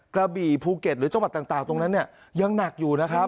กระบี่ภูเก็ตหรือจังหวัดต่างตรงนั้นเนี่ยยังหนักอยู่นะครับ